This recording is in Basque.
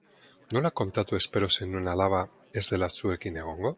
Nola kontatu espero zenuen alaba ez dela zuekin egongo?